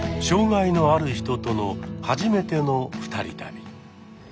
障害のある人との初めての二人旅。